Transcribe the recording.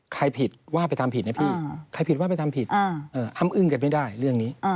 ใครผิดว่าไปทำผิดนะพี่ใครผิดว่าไปทำผิดอ้ำอึ้งกันไม่ได้เรื่องนี้